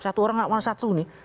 satu orang gak mau satu nih